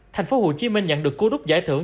thành phố hồ chí minh nhận được cú đúc giải thưởng